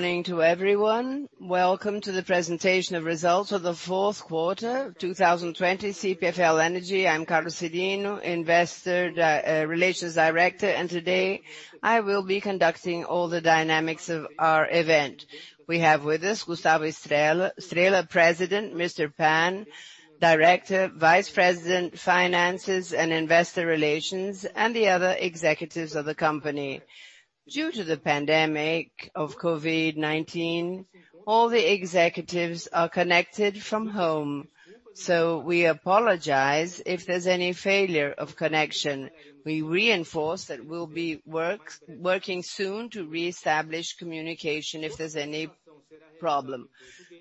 Morning to everyone. Welcome to the presentation of results for the fourth quarter 2020, CPFL Energia. I'm Carlos Cyrino, Investor Relations Director, and today I will be conducting all the dynamics of our event. We have with us Gustavo Estrella, President, Mr. Pan, Director, Vice President, Finances and Investor Relations, and the other executives of the company. Due to the pandemic of COVID-19, all the executives are connected from home. We apologize if there's any failure of connection. We reinforce that we'll be working soon to reestablish communication if there's any problem.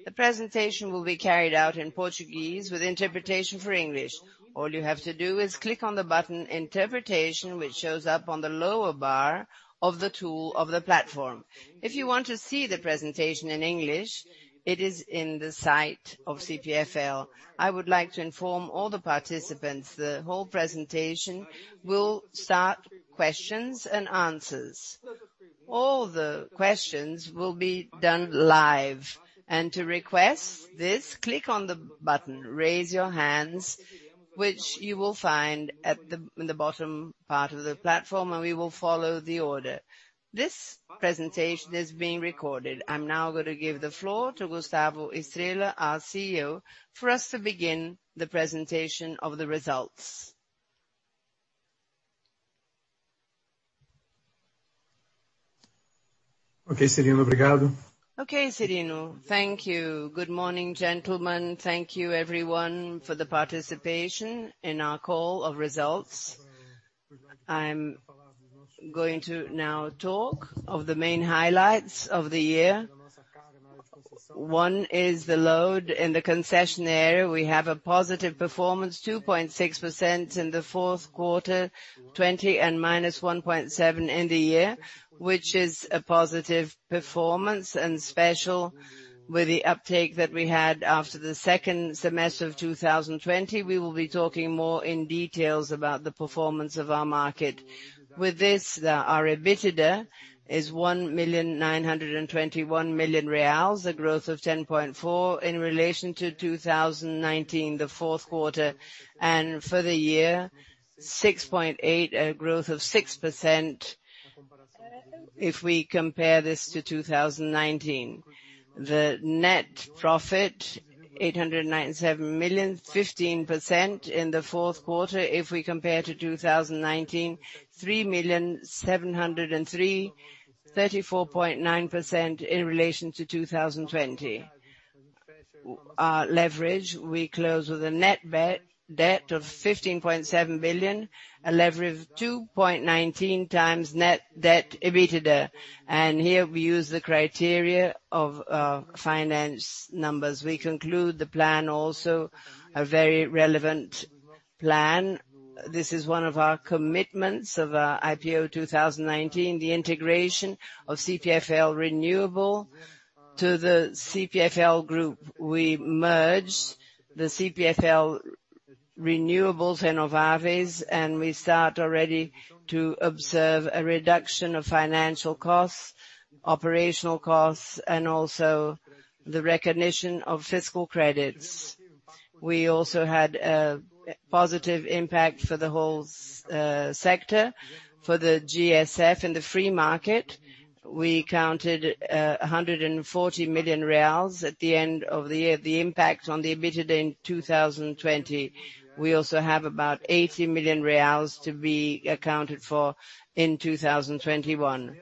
The presentation will be carried out in Portuguese with interpretation for English. All you have to do is click on the button interpretation, which shows up on the lower bar of the tool of the platform. If you want to see the presentation in English, it is in the site of CPFL. I would like to inform all the participants, the whole presentation will start questions and answers. All the questions will be done live. To request this, click on the button, raise your hands, which you will find at the bottom part of the platform, and we will follow the order. This presentation is being recorded. I'm now going to give the floor to Gustavo Estrella, our CEO, for us to begin the presentation of the results. Okay, Cyrino. Thank you. Good morning, gentlemen. Thank you everyone for the participation in our call of results. I'm going to now talk of the main highlights of the year. One is the load in the concession area. We have a positive performance, 2.6% in the fourth quarter 2020 and -1.7% in the year, which is a positive performance, and special with the uptake that we had after the second semester of 2020. We will be talking more in details about the performance of our market. With this, our EBITDA is 1.921 billion reais, a growth of 10.4% in relation to 2019, the fourth quarter, and for the year 6.8%, a growth of 6% if we compare this to 2019. The net profit, 897 million, 15% in the fourth quarter. If we compare to 2019, 3,703, 34.9% in relation to 2020. Our leverage, we close with a net debt of 15.7 billion, a leverage of 2.19x net debt EBITDA. Here we use the criteria of finance numbers. We conclude the plan also, a very relevant plan. This is one of our commitments of our IPO 2019, the integration of CPFL Renováveis to the CPFL Group. We merge the CPFL Renováveis and Novaves, we start already to observe a reduction of financial costs, operational costs, and also the recognition of fiscal credits. We also had a positive impact for the whole sector for the GSF in the free market. We counted 140 million reais at the end of the year. The impact on the EBITDA in 2020, we also have about 80 million reais to be accounted for in 2021.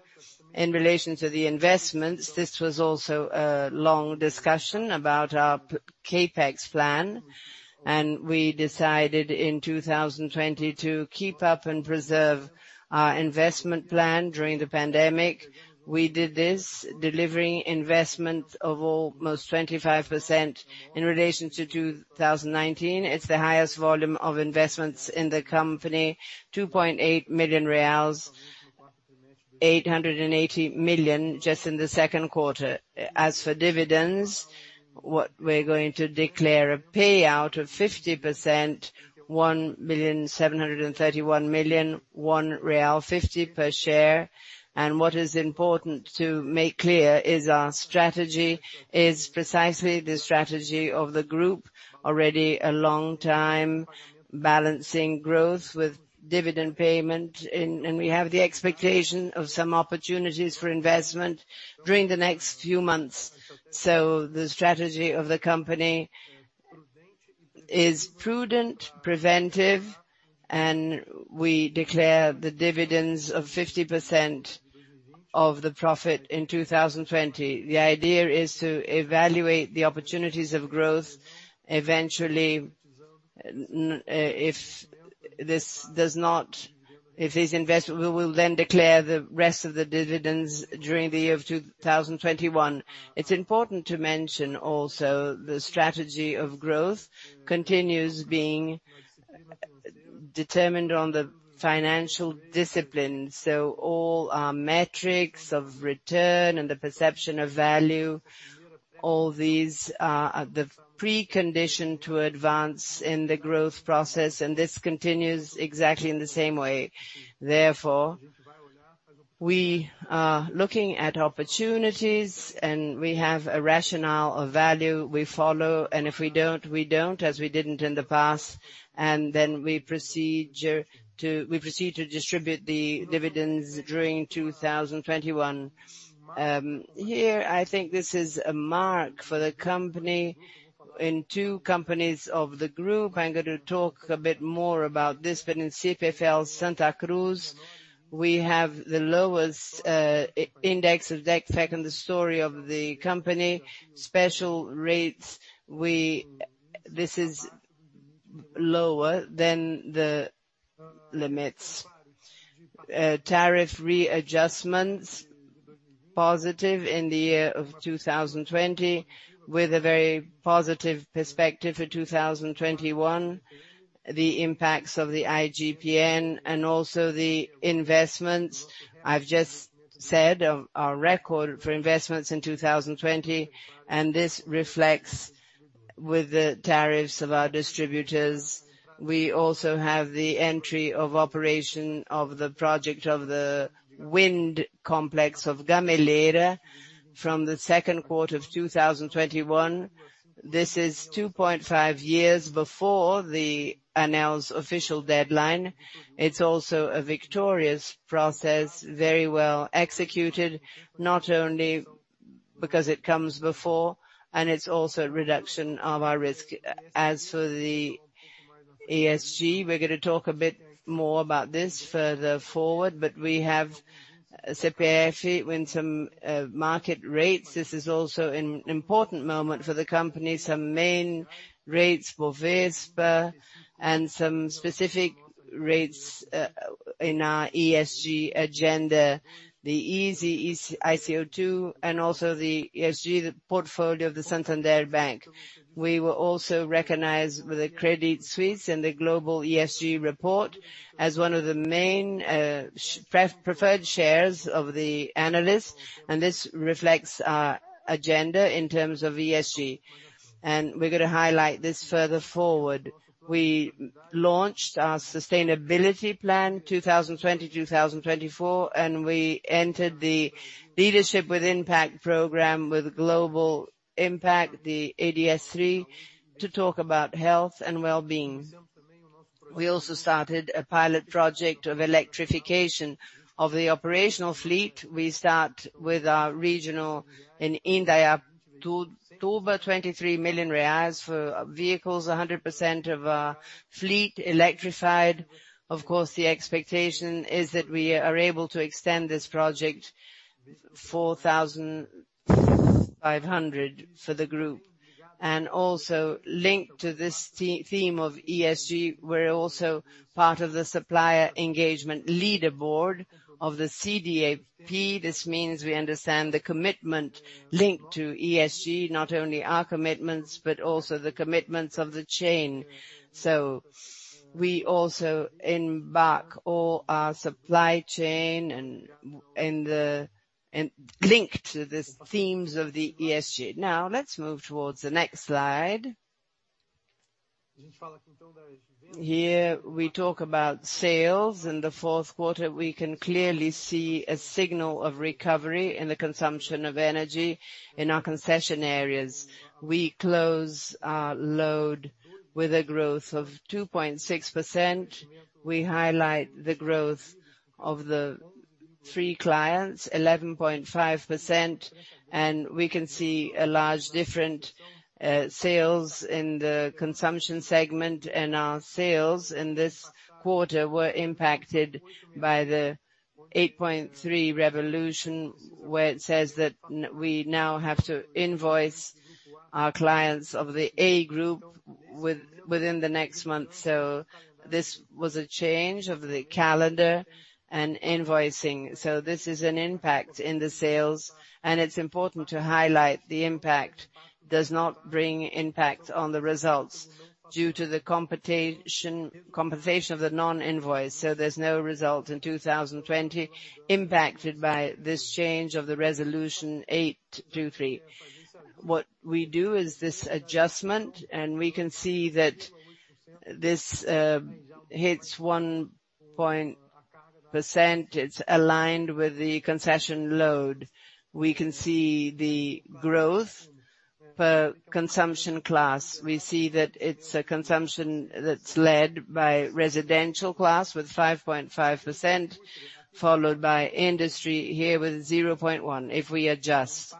In relation to the investments, this was also a long discussion about our CapEx plan. We decided in 2020 to keep up and preserve our investment plan during the pandemic. We did this, delivering investment of almost 25% in relation to 2019. It's the highest volume of investments in the company, 2.8 million reais, 880 million just in the second quarter. As for dividends, what we're going to declare a payout of 50%, 1.731 billion real, 1.50 real per share. What is important to make clear is our strategy is precisely the strategy of the group already a long time, balancing growth with dividend payment. We have the expectation of some opportunities for investment during the next few months. The strategy of the company is prudent, preventive. We declare the dividends of 50% of the profit in 2020. The idea is to evaluate the opportunities of growth eventually. If these, we will declare the rest of the dividends during the year of 2021. It's important to mention also, the strategy of growth continues being determined on the financial discipline. All our metrics of return and the perception of value, all these are the precondition to advance in the growth process, and this continues exactly in the same way. We are looking at opportunities and we have a rationale of value we follow, and if we don't, we don't, as we didn't in the past, and we proceed to distribute the dividends during 2021. Here, I think this is a mark for the company. In two companies of the group, I'm going to talk a bit more about this, but in CPFL Santa Cruz, we have the lowest index of debt, in fact, in the story of the company. Special rates, this is lower than the limits. Tariff readjustments, positive in the year of 2020 with a very positive perspective for 2021. The impacts of the IGP-M and also the investments. I've just said, our record for investments in 2020, this reflects with the tariffs of our distributors. We also have the entry of operation of the project of the wind complex of Gameleira from the second quarter of 2021. This is 2.5 years before the ANEEL's official deadline. It's also a victorious process, very well executed, not only because it comes before, it's also a reduction of our risk. As for the ESG, we're going to talk a bit more about this further forward, but we have CPFL with some market rates. This is also an important moment for the company, some main rates for Bovespa and some specific rates in our ESG agenda, the ISE/ICO2, and also the ESG portfolio of the Santander Bank. We were also recognized with the Credit Suisse and the Global ESG Report as one of the main preferred shares of the analyst, and this reflects our agenda in terms of ESG. We're going to highlight this further forward. We launched our sustainability plan 2020-2024, and we entered the Leadership with Impact program with global impact, the ODS 3, to talk about health and wellbeing. We also started a pilot project of electrification of the operational fleet. We start with our regional in Indaiatuba, 23 million reais for vehicles, 100% of our fleet electrified. Of course, the expectation is that we are able to extend this project, 4,500 for the group. Also linked to this theme of ESG, we're also part of the supplier engagement leader board of the CDP. This means we understand the commitment linked to ESG, not only our commitments, but also the commitments of the chain. We also embark all our supply chain and link to the themes of the ESG. Now let's move towards the next slide. Here we talk about sales. In the fourth quarter, we can clearly see a signal of recovery in the consumption of energy in our concession areas. We close our load with a growth of 2.6%. We highlight the growth of the three clients, 11.5%, and we can see a large different sales in the consumption segment. Our sales in this quarter were impacted by the 8.3 Resolution, where it says that we now have to invoice our clients of the A group within the next month. This was a change of the calendar and invoicing. This is an impact in the sales, it's important to highlight the impact does not bring impact on the results due to the compensation of the non-invoice. There's no result in 2020 impacted by this change of the Resolution 823. What we do is this adjustment, we can see that this hits 1%. It's aligned with the concession load. We can see the growth per consumption class. We see that it's a consumption that's led by residential class with 5.5%, followed by industry here with 0.1%. We adjust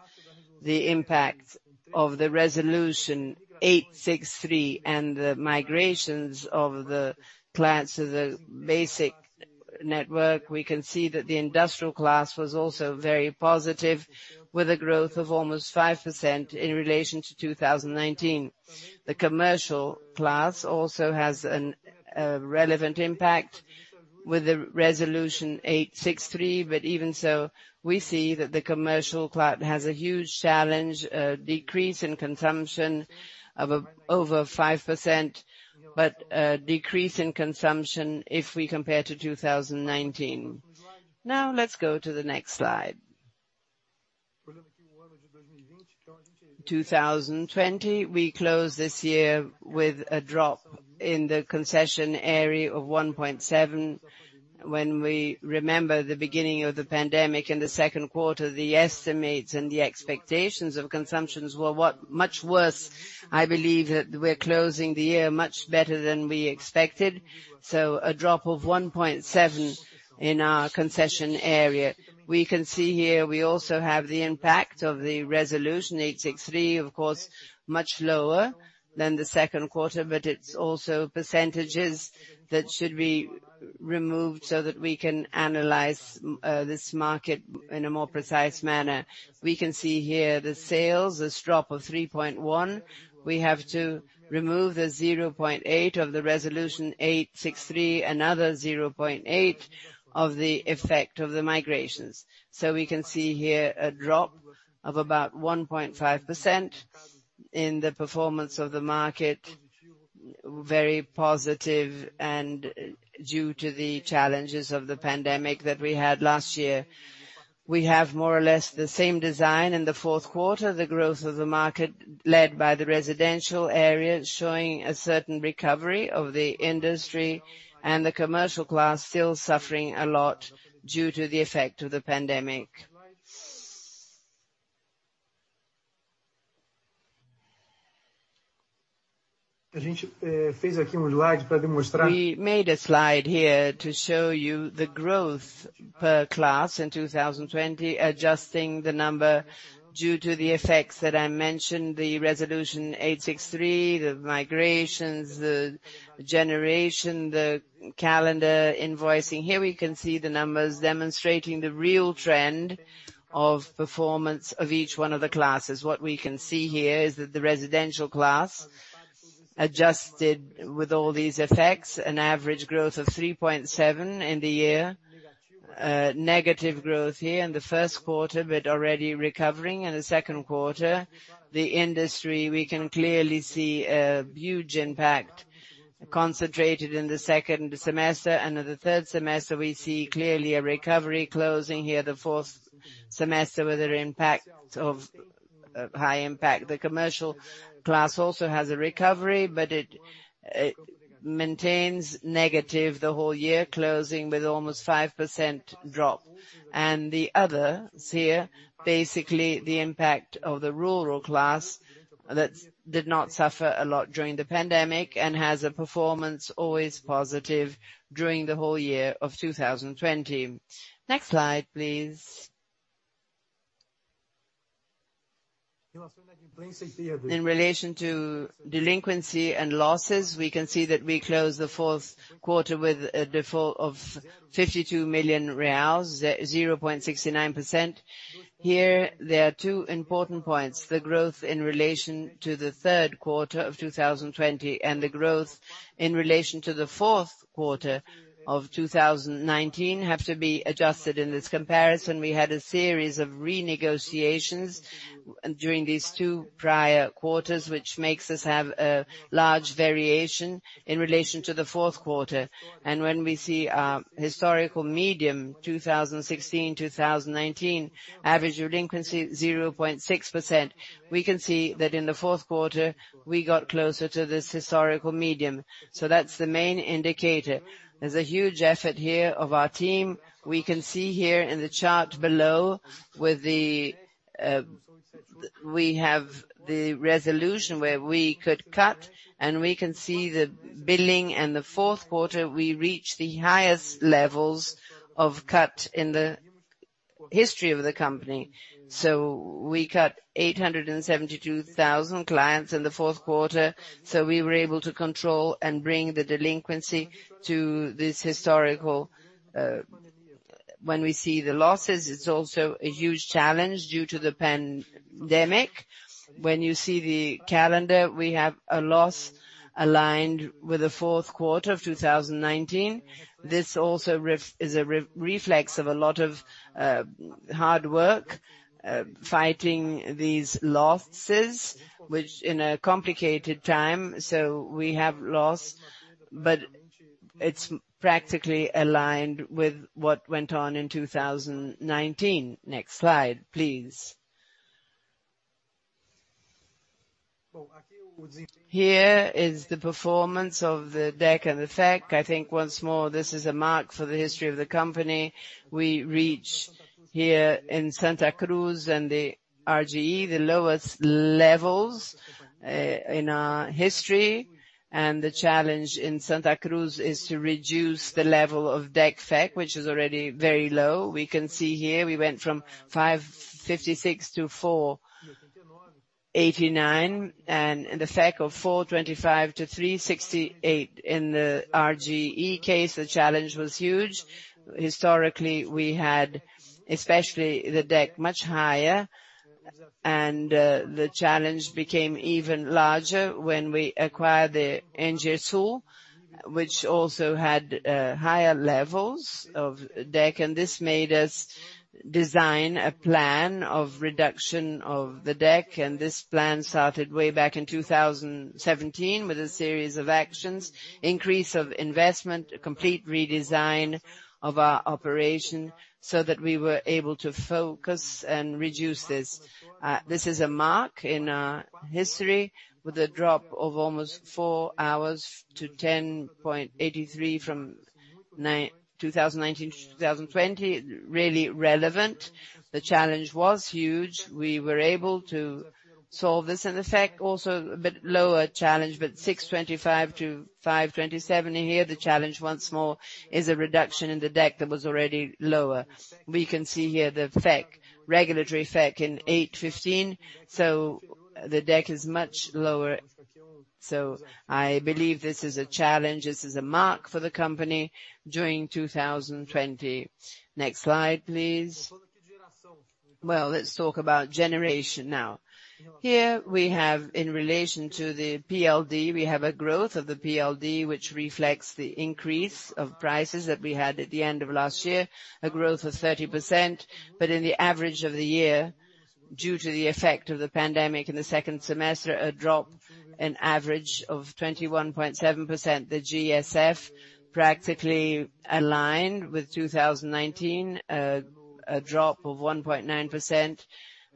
the impact of the Resolution 863 and the migrations of the clients to the basic network, we can see that the industrial class was also very positive, with a growth of almost 5% in relation to 2019. The commercial class also has a relevant impact with the Resolution 863. Even so, we see that the commercial class has a huge challenge, a decrease in consumption of over 5%, but a decrease in consumption if we compare to 2019. Let's go to the next slide. 2020, we closed this year with a drop in the concession area of 1.7%. When we remember the beginning of the pandemic in the second quarter, the estimates and the expectations of consumptions were much worse. I believe that we're closing the year much better than we expected. A drop of 1.7% in our concession area. We can see here we also have the impact of the Resolution 863, of course, much lower than the second quarter, but it's also percentages that should be removed so that we can analyze this market in a more precise manner. We can see here the sales, this drop of 3.1%. We have to remove the 0.8% of the Resolution 863, another 0.8% of the effect of the migrations. We can see here a drop of about 1.5% in the performance of the market. Very positive and due to the challenges of the pandemic that we had last year. We have more or less the same design in the fourth quarter, the growth of the market led by the residential area, showing a certain recovery of the industry and the commercial class still suffering a lot due to the effect of the pandemic. We made a slide here to show you the growth per class in 2020, adjusting the number due to the effects that I mentioned, the Resolution 863, the migrations, the generation, the calendar invoicing. Here we can see the numbers demonstrating the real trend of performance of each one of the classes. What we can see here is that the residential class, adjusted with all these effects, an average growth of 3.7 in the year. Negative growth here in the first quarter, but already recovering in the second quarter. The industry, we can clearly see a huge impact concentrated in the second semester, and in the third semester, we see clearly a recovery closing here the fourth semester with a high impact. The commercial class also has a recovery, but it maintains negative the whole year, closing with almost 5% drop. The others here, basically the impact of the rural class that did not suffer a lot during the pandemic and has a performance always positive during the whole year of 2020. Next slide, please. In relation to delinquency and losses, we can see that we closed the fourth quarter with a default of 52 million reais, 0.69%. Here, there are two important points. The growth in relation to the third quarter of 2020 and the growth in relation to the fourth quarter of 2019 have to be adjusted in this comparison. We had a series of renegotiations during these two prior quarters, which makes us have a large variation in relation to the fourth quarter. When we see our historical medium, 2016, 2019, average delinquency 0.6%, we can see that in the fourth quarter we got closer to this historical medium. That's the main indicator. There's a huge effort here of our team. We can see here in the chart below, we have the resolution where we could cut. We can see the billing in the fourth quarter, we reached the highest levels of cut in the history of the company. We cut 872,000 clients in the fourth quarter. We were able to control and bring the delinquency to this historical. When we see the losses, it's also a huge challenge due to the pandemic. When you see the calendar, we have a loss aligned with the fourth quarter of 2019. This also is a reflection of a lot of hard work fighting these losses, which in a complicated time. We have loss, it's practically aligned with what went on in 2019. Next slide, please. Here is the performance of the DEC and the FEC. I think once more, this is a mark for the history of the company. We reach here in Santa Cruz and the RGE, the lowest levels in our history. The challenge in Santa Cruz is to reduce the level of DEC FEC, which is already very low. We can see here we went from 556 to 489, and the FEC of 425 to 368. In the RGE case, the challenge was huge. Historically, we had, especially the DEC, much higher. The challenge became even larger when we acquired the AES Sul, which also had higher levels of DEC. This made us design a plan of reduction of the DEC. This plan started way back in 2017 with a series of actions, increase of investment, a complete redesign of our operation, so that we were able to focus and reduce this. This is a mark in our history with a drop of almost four hours to 10.83 from 2019 to 2020. Really relevant. The challenge was huge. We were able to solve this. In effect, also a bit lower challenge, 625 to 527. Here, the challenge once more is a reduction in the DEC that was already lower. We can see here the regulatory effect in 815, the DEC is much lower. I believe this is a challenge. This is a mark for the company during 2020. Next slide, please. Well, let's talk about generation now. Here, we have in relation to the PLD, we have a growth of the PLD, which reflects the increase of prices that we had at the end of last year, a growth of 30%. In the average of the year, due to the effect of the pandemic in the second semester, a drop in average of 21.7%. The GSF practically aligned with 2019, a drop of 1.9%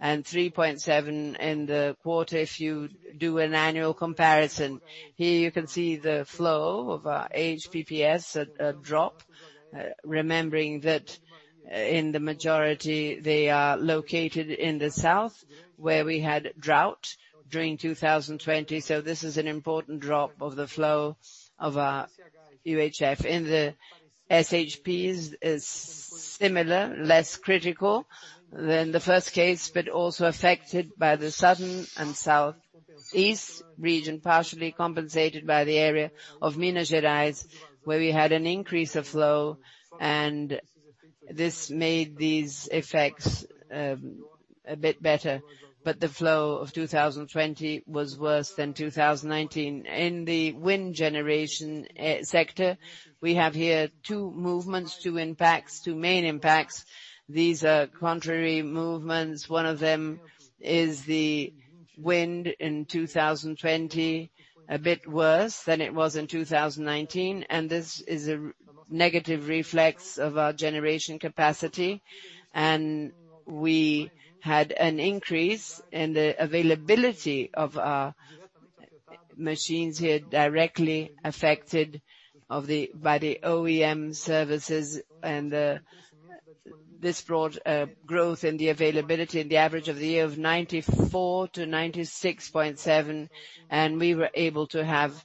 and 3.7% in the quarter if you do an annual comparison. Here you can see the flow of our HPPs, a drop, remembering that in the majority, they are located in the south, where we had drought during 2020. This is an important drop of the flow of our UHEs. In the PCHs is similar, less critical than the first case, but also affected by the southern and southeast region, partially compensated by the area of Minas Gerais, where we had an increase of flow, and this made these effects a bit better. The flow of 2020 was worse than 2019. In the wind generation sector, we have here two movements, two impacts, two main impacts. These are contrary movements. One of them is the wind in 2020, a bit worse than it was in 2019, and this is a negative reflex of our generation capacity. We had an increase in the availability of our machines here directly affected by the OEM services and this brought growth in the availability in the average of the year of 94%-96.7%, and we were able to have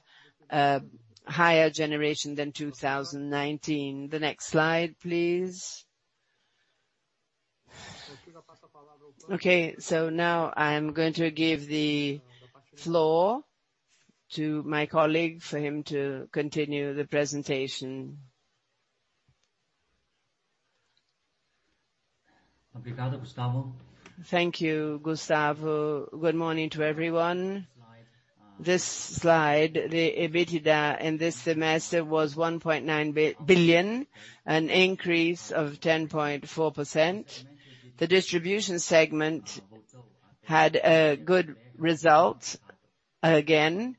a higher generation than 2019. The next slide, please. Now I'm going to give the floor to my colleague for him to continue the presentation. Thank you, Gustavo. Good morning to everyone. This slide, the EBITDA in this semester was 1.9 billion, an increase of 10.4%. The distribution segment had a good result, again,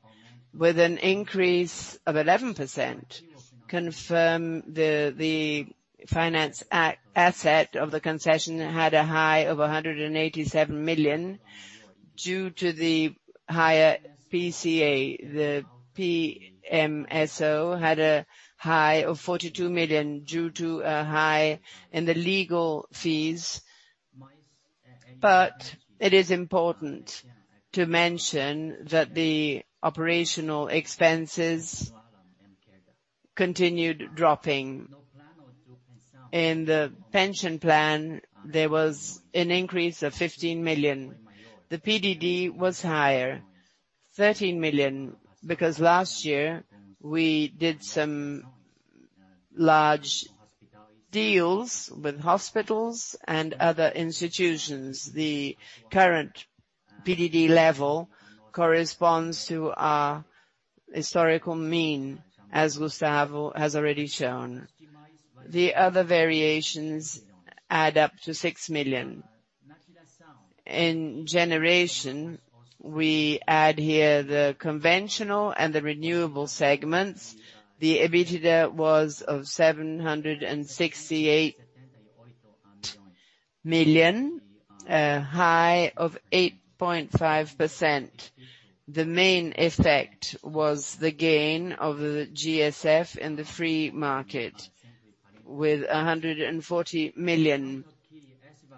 with an increase of 11%, confirm the finance asset of the concession had a high of 187 million due to the higher IPCA. The PMSO had a high of 42 million due to a high in the legal fees. It is important to mention that the operational expenses continued dropping. In the pension plan, there was an increase of 15 million. The PDD was higher, 13 million, because last year we did some large deals with hospitals and other institutions. The current PDD level corresponds to our historical mean, as Gustavo has already shown. The other variations add up to 6 million. In generation, we add here the conventional and the renewable segments. The EBITDA was of 768 million, a high of 8.5%. The main effect was the gain of the GSF in the free market with 140 million.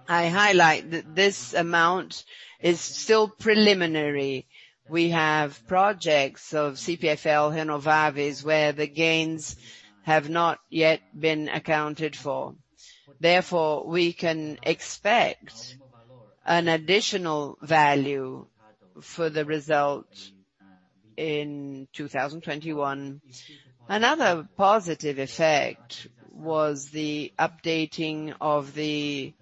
I highlight that this amount is still preliminary. We have projects of CPFL Renováveis where the gains have not yet been accounted for. We can expect an additional value for the result in 2021. Another positive effect was the updating of the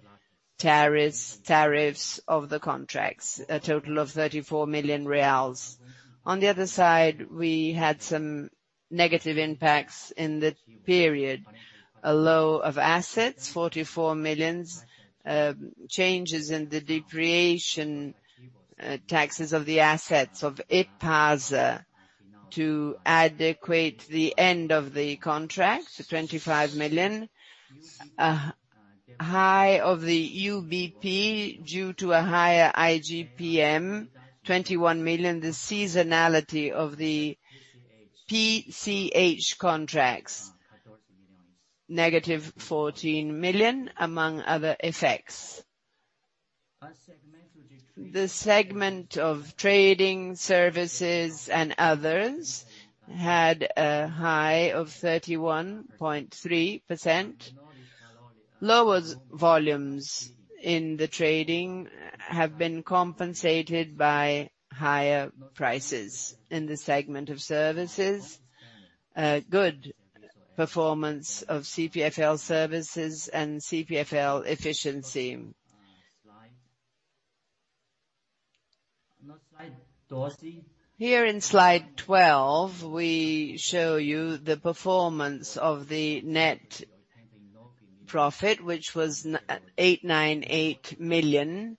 tariffs of the contracts, a total of 34 million reais. We had some negative impacts in the period. A loss of assets, 44 million. Changes in the depreciation taxes of the assets of Inpasa to adjust the end of the contract, 25 million. High of the UBP due to a higher IGPM, 21 million. The seasonality of the PCH contracts, BRL -14 million, among other effects. The segment of trading services and others had a high of 31.3%. Lower volumes in the trading have been compensated by higher prices. In the segment of services, good performance of CPFL Serviços and CPFL Eficiência. Here in Slide 12, we show you the performance of the net profit, which was 898 million,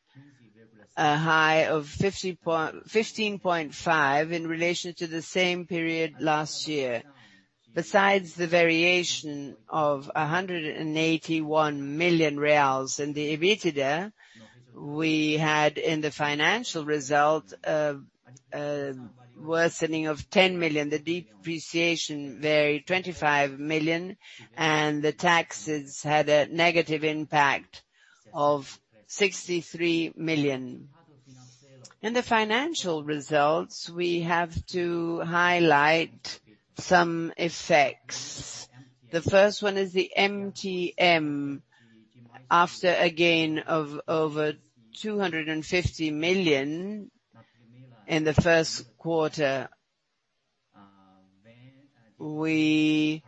a high of 15.5% in relation to the same period last year. Besides the variation of 181 million reais in the EBITDA, we had in the financial result a worsening of 10 million. The depreciation varied 25 million. The taxes had a negative impact of 63 million. In the financial results, we have to highlight some effects. The first one is the MTM. After a gain of over 250 million in the first quarter, we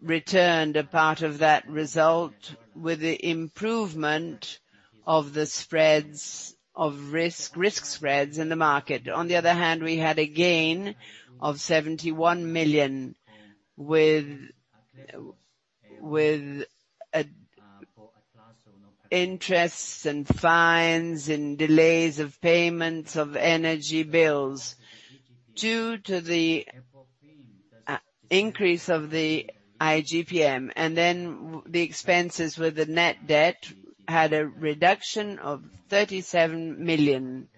returned a part of that result with the improvement of the risk spreads in the market. We had a gain of 71 million with interests and fines and delays of payments of energy bills due to the increase of the IGP-M. The expenses with the net debt had a reduction of 37 million.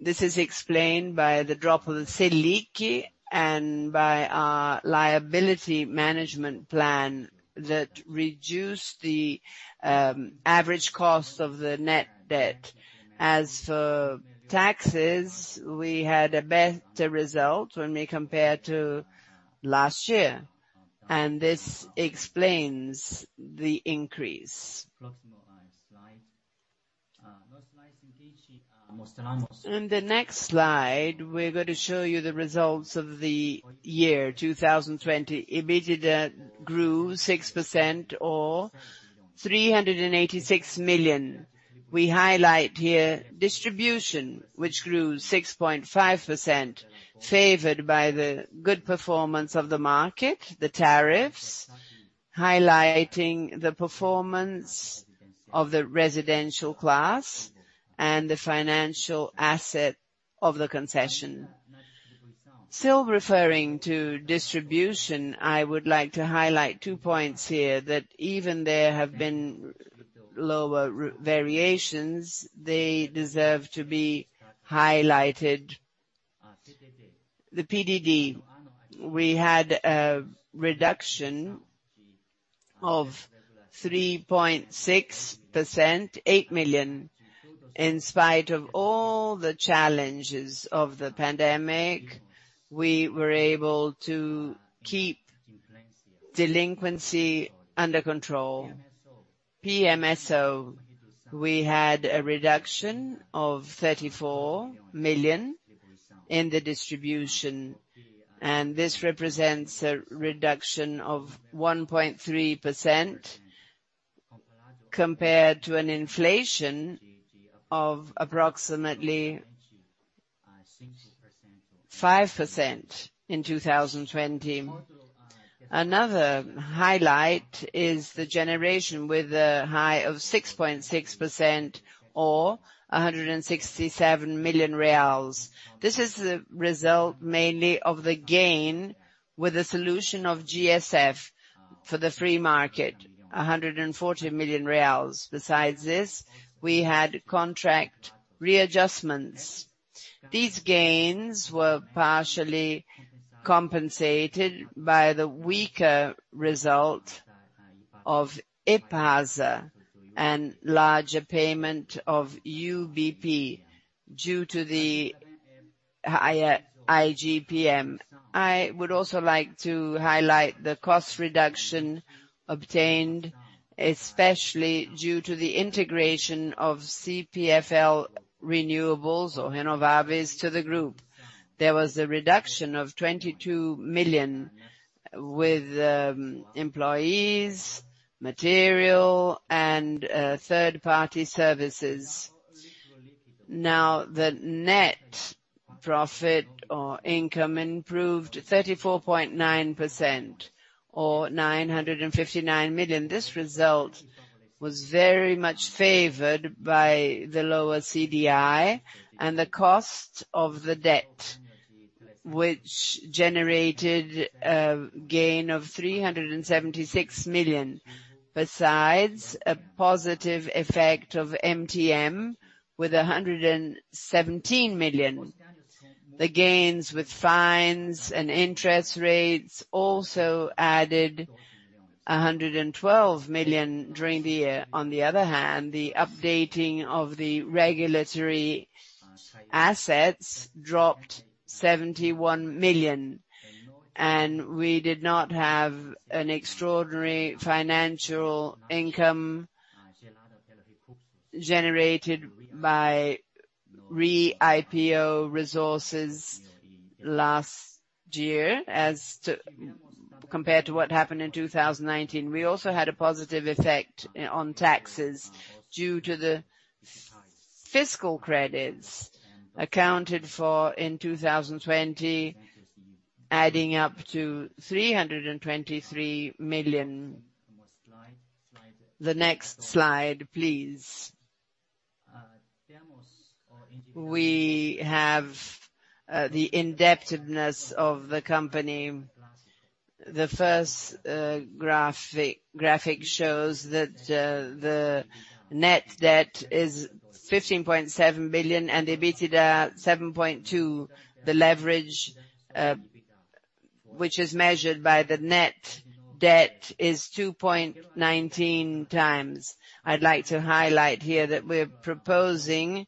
This is explained by the drop of the Selic and by our liability management plan that reduced the average cost of the net debt. We had a better result when we compare to last year. This explains the increase. On the next slide, we're going to show you the results of the year 2020. EBITDA grew 6% or 386 million. We highlight here distribution, which grew 6.5%, favored by the good performance of the market, the tariffs, highlighting the performance of the residential class and the financial asset of the concession. Still referring to distribution, I would like to highlight two points here that even there have been lower variations, they deserve to be highlighted. The PDD, we had a reduction of 3.6%, 8 million. In spite of all the challenges of the pandemic, we were able to keep delinquency under control. PMSO, we had a reduction of 34 million in the distribution, This represents a reduction of 1.3% compared to an inflation of approximately 5% in 2020. Another highlight is the generation with a high of 6.6% or 167 million reais. This is the result mainly of the gain with the solution of GSF for the free market, 140 million reais. Besides this, we had contract readjustments. These gains were partially compensated by the weaker result of Inpasa and larger payment of UBP due to the higher IGP-M. I would also like to highlight the cost reduction obtained, especially due to the integration of CPFL Renováveis or Renovábis to the group. There was a reduction of 22 million with employees, material, and third-party services. The net profit or income improved 34.9% or 959 million. This result was very much favored by the lower CDI and the cost of the debt, which generated a gain of 376 million, besides a positive effect of MTM with 117 million. The gains with fines and interest rates also added 112 million during the year. On the other hand, the updating of the regulatory assets dropped 71 million, and we did not have an extraordinary financial income generated by re-IPO resources last year as compared to what happened in 2019. We also had a positive effect on taxes due to the fiscal credits accounted for in 2020, adding up to 323 million. The next slide, please. We have the indebtedness of the company. The first graphic shows that the net debt is 15.7 billion and EBITDA 7.2 billion. The leverage, which is measured by the net debt, is 2.19x. I'd like to highlight here that we're proposing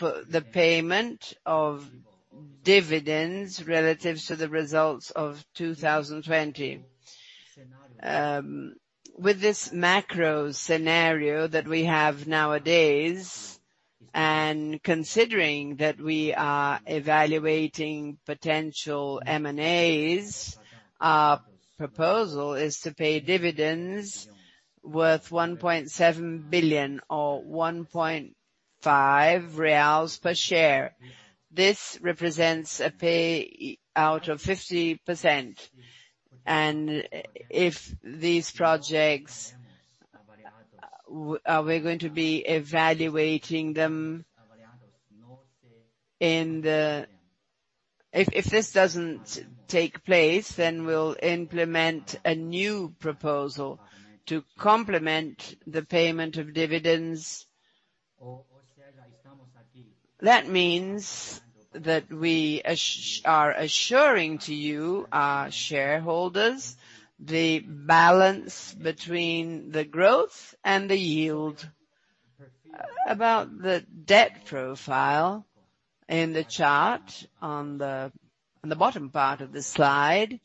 the payment of dividends relative to the results of 2020. With this macro scenario that we have nowadays, considering that we are evaluating potential M&As, our proposal is to pay dividends worth 1.7 billion or 1.5 reais per share. This represents a payout of 50%. If these projects, we're going to be evaluating them. If this doesn't take place, we'll implement a new proposal to complement the payment of dividends. That means that we are assuring to you, our shareholders, the balance between the growth and the yield. About the debt profile, in the chart on the bottom part of the slide,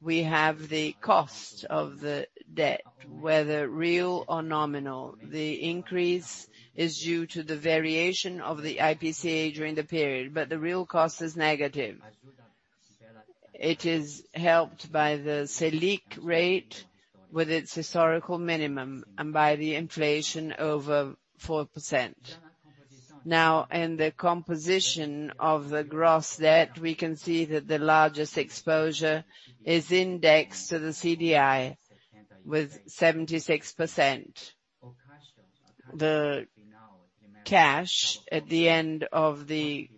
we have the cost of the debt, whether real or nominal. The increase is due to the variation of the IPCA during the period, but the real cost is negative. It is helped by the Selic rate with its historical minimum and by the inflation over 4%. Now, in the composition of the gross debt, we can see that the largest exposure is indexed to the CDI with 76%. The cash at the end of the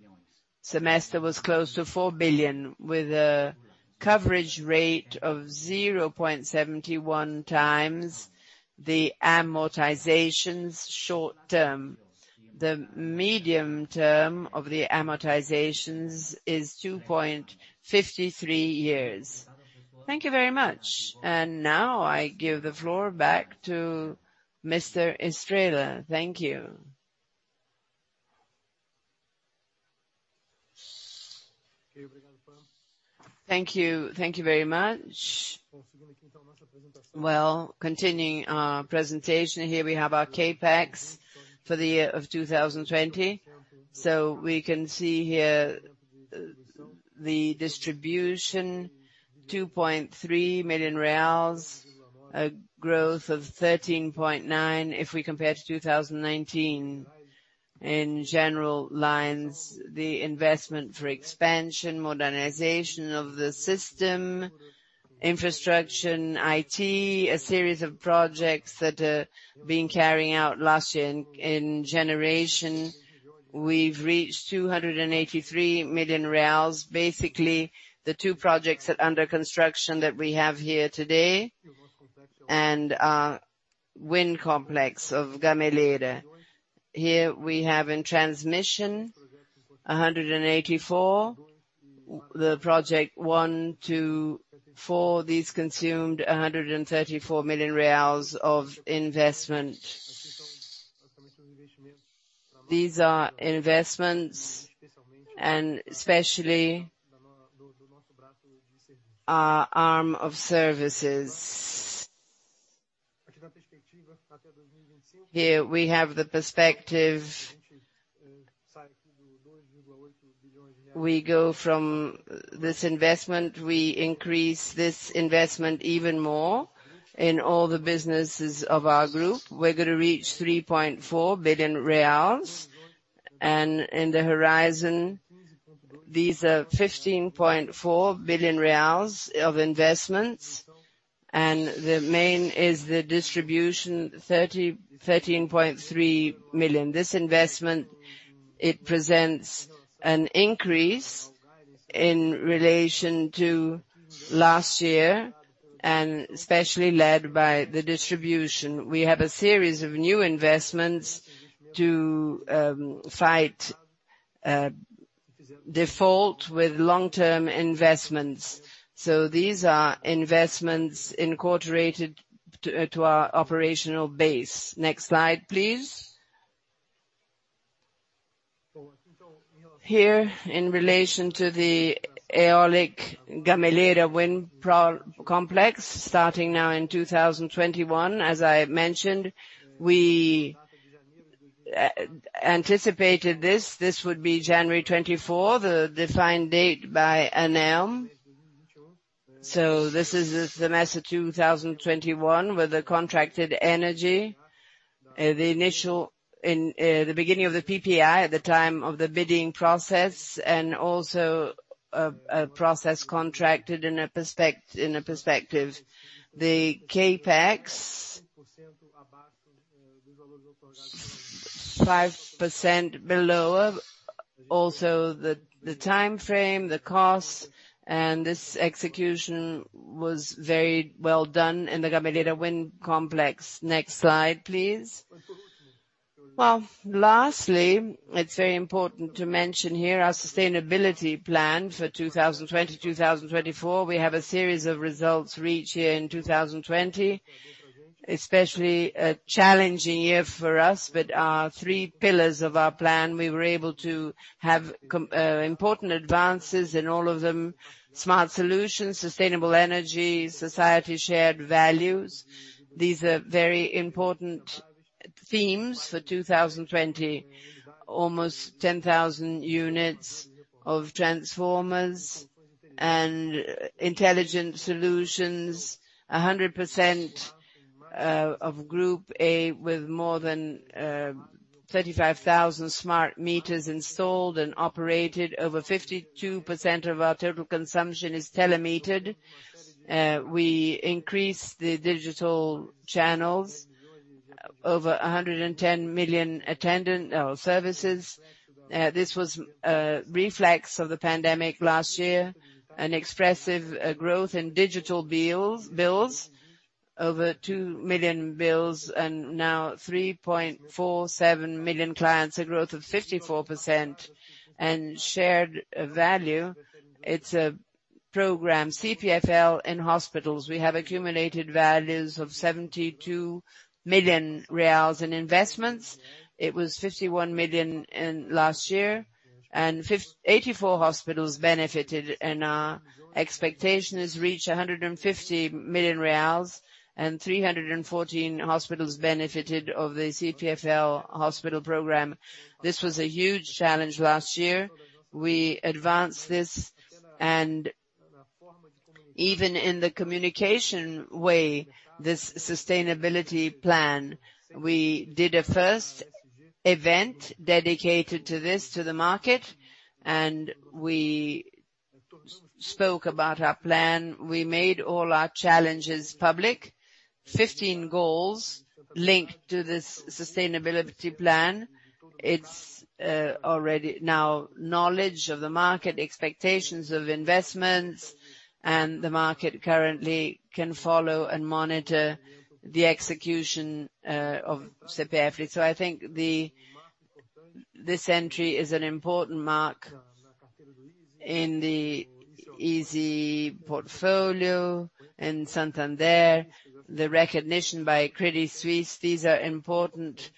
semester was close to 4 billion, with a coverage rate of 0.71x the amortizations short-term. The medium term of the amortizations is 2.53 years. Thank you very much. Now I give the floor back to Mr. Estrella. Thank you. Thank you. Thank you very much. Well, continuing our presentation here, we have our CapEx for the year of 2020. We can see here the distribution, 2.3 million reais, a growth of 13.9% if we compare to 2019. In general lines, the investment for expansion, modernization of the system, infrastructure and IT, a series of projects that are being carried out last year in generation. We've reached 283 million reais, basically the two projects that under construction that we have here today and our wind complex of Gameleira. Here we have in transmission, 184 million, the project one to four. These consumed 134 million reais of investment. These are investments and especially our arm of services. Here we have the perspective. We go from this investment, we increase this investment even more in all the businesses of our group. We're going to reach 3.4 billion reais. In the horizon. These are 15.4 billion reais of investments, and the main is the distribution, 13.3 million. This investment, it presents an increase in relation to last year, and especially led by the distribution. We have a series of new investments to fight default with long-term investments. These are investments incorporated to our operational base. Next slide, please. Here, in relation to the Gameleira Wind Complex, starting now in 2021. As I mentioned, we anticipated this. This would be 24 January, the defined date by ANEEL. This is the semester 2021 with the contracted energy. The beginning of the PPI at the time of the bidding process and also a process contracted in a perspective. The CapEx, 5% below. Also, the timeframe, the cost, and this execution was very well done in the Gameleira Wind Complex. Next slide, please. Well, lastly, it's very important to mention here our sustainability plan for 2020-2024. We have a series of results reached here in 2020, especially a challenging year for us, but our three pillars of our plan, we were able to have important advances in all of them. Smart Solutions, Sustainable Energy, Society Shared Values. These are very important themes for 2020. Almost 10,000 units of transformers and intelligent solutions, 100% of Group A with more than 35,000 smart meters installed and operated. Over 52% of our total consumption is telemetered. We increased the digital channels over 110 million attendant services. This was a reflex of the pandemic last year. An expressive growth in digital bills, over two million bills, and now 3.47 million clients, a growth of 54%. Shared Value, it's a program, CPFL in Hospitals. We have accumulated values of 72 million reais in investments. It was 51 million in last year, and 84 hospitals benefited, and our expectation is to reach 150 million reais and 314 hospitals benefited of the CPFL Hospital program. This was a huge challenge last year. We advanced this and even in the communication way, this sustainability plan. We did a first event dedicated to this to the market, and we spoke about our plan. We made all our challenges public. 15 goals linked to this sustainability plan. It's already now knowledge of the market, expectations of investments, and the market currently can follow and monitor the execution of CPFL. I think this entry is an important mark in the easy portfolio in Santander, the recognition by Credit Suisse. These are important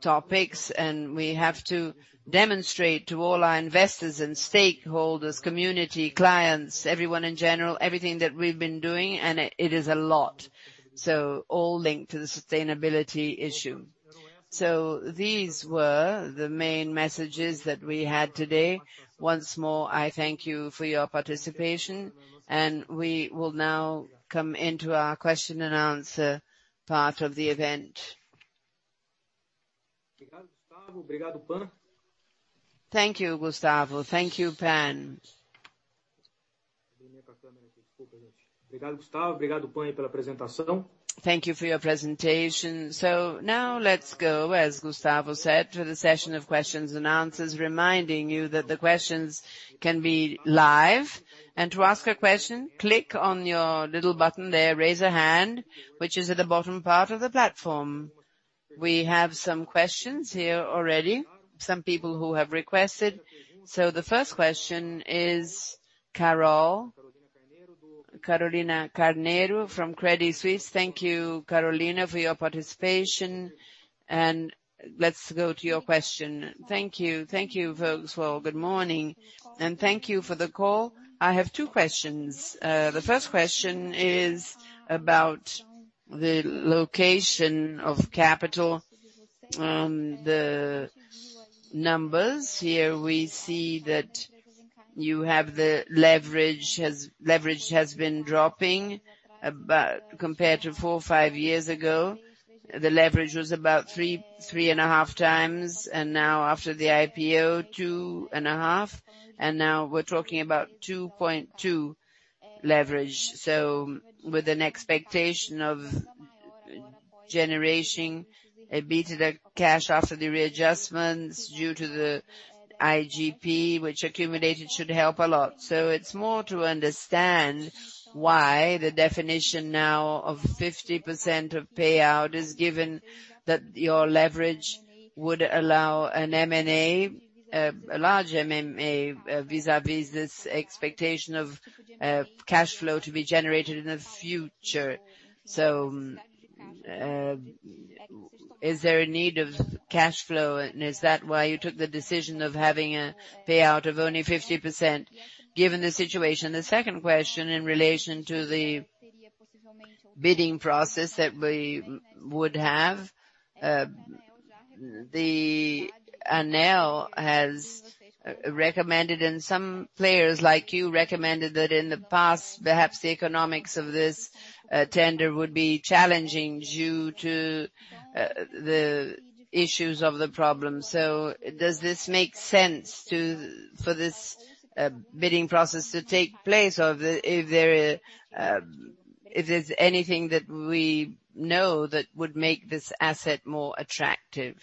topics, and we have to demonstrate to all our investors and stakeholders, community, clients, everyone in general, everything that we've been doing, and it is a lot. All linked to the sustainability issue. These were the main messages that we had today. Once more, I thank you for your participation, and we will now come into our question and answer part of the event. Thank you, Gustavo. Thank you, Pan. Thank you for your presentation. Now let's go, as Gustavo said, to the session of questions and answers, reminding you that the questions can be live. To ask a question, click on your little button there, raise a hand, which is at the bottom part of the platform. We have some questions here already, some people who have requested. The first question is Carol, Carolina Carneiro from Credit Suisse. Thank you, Carolina, for your participation. Let's go to your question. Thank you. Thank you, folks. Well, good morning, and thank you for the call. I have two questions. The first question is about the location of capital. The numbers, here we see that the leverage has been dropping compared to four or five years ago. The leverage was about 3.5x, and now after the IPO, 2.5. Now we're talking about 2.2 leverage. With an expectation of generation, EBITDA cash after the readjustments due to the IGP-M, which accumulated should help a lot. It's more to understand why the definition now of 50% of payout is given that your leverage would allow an M&A, a large M&A, vis-a-vis this expectation of cash flow to be generated in the future. Is there a need of cash flow, and is that why you took the decision of having a payout of only 50%, given the situation? The second question in relation to the bidding process that we would have. ANEEL has recommended, and some players like you recommended that in the past, perhaps the economics of this tender would be challenging due to the issues of the problem. Does this make sense for this bidding process to take place, or if there's anything that we know that would make this asset more attractive?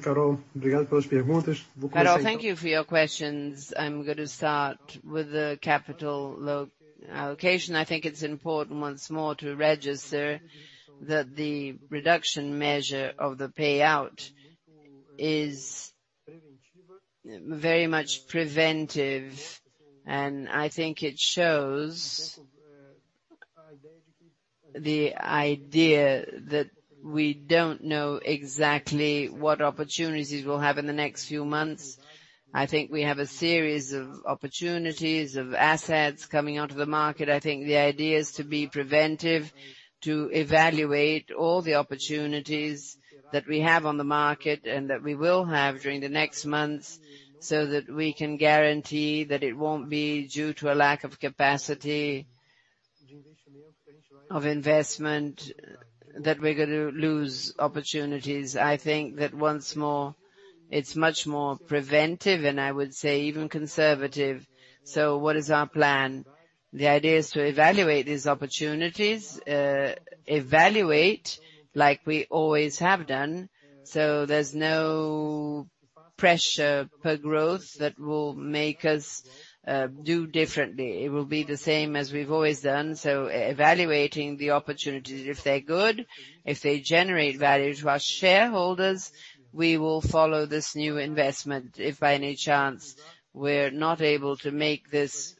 Carol, thank you for your questions. I'm going to start with the capital allocation. I think it's important once more to register that the reduction measure of the payout is very much preventive, and I think it shows the idea that we don't know exactly what opportunities we'll have in the next few months. I think we have a series of opportunities of assets coming onto the market. I think the idea is to be preventive, to evaluate all the opportunities that we have on the market and that we will have during the next months, so that we can guarantee that it won't be due to a lack of capacity of investment that we're going to lose opportunities. I think that once more, it's much more preventive and I would say even conservative. What is our plan? The idea is to evaluate these opportunities, evaluate like we always have done. There's no pressure per growth that will make us do differently. It will be the same as we've always done. Evaluating the opportunities, if they're good, if they generate value to our shareholders, we will follow this new investment. If by any chance we're not able to make this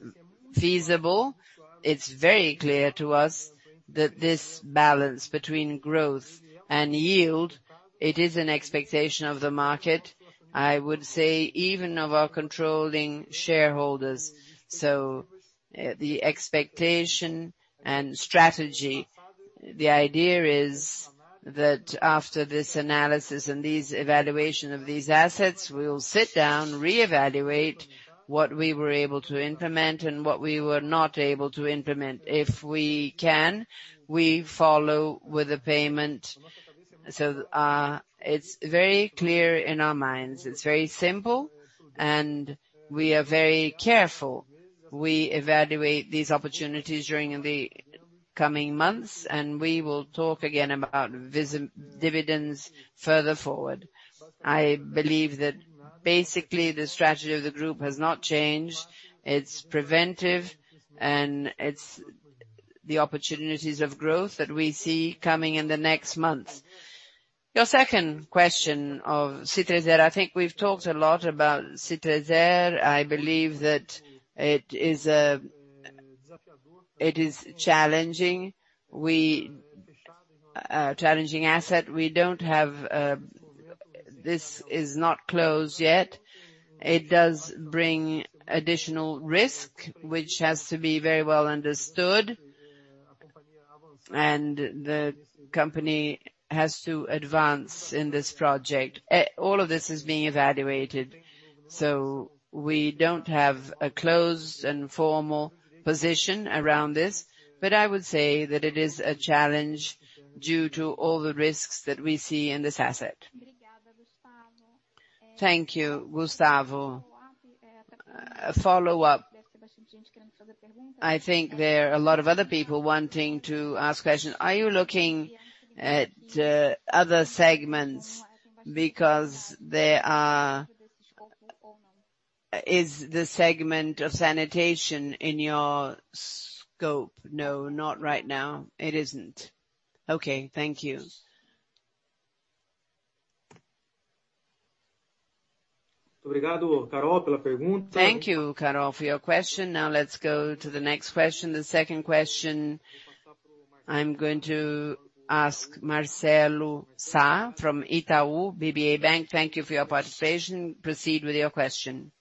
feasible, it's very clear to us that this balance between growth and yield, it is an expectation of the market, I would say even of our controlling shareholders. The expectation and strategy, the idea is that after this analysis and these evaluation of these assets, we will sit down, reevaluate what we were able to implement and what we were not able to implement. If we can, we follow with the payment. It's very clear in our minds. It's very simple, and we are very careful. We evaluate these opportunities during the coming months, and we will talk again about dividends further forward. I believe that basically the strategy of the group has not changed. It's preventive, and it's the opportunities of growth that we see coming in the next months. Your second question of Cityzer, I think we've talked a lot about Cityzer. I believe that it is challenging asset. This is not closed yet. It does bring additional risk, which has to be very well understood, and the company has to advance in this project. All of this is being evaluated. We don't have a closed and formal position around this, but I would say that it is a challenge due to all the risks that we see in this asset. Thank you, Gustavo. A follow-up. I think there are a lot of other people wanting to ask questions. Are you looking at other segments because is the segment of sanitation in your scope? No, not right now. It isn't. Okay. Thank you. Thank you, Carol, for your question. Let's go to the next question. The second question I'm going to ask Marcelo Sá from Itaú BBA Bank. Thank you for your participation. Proceed with your question.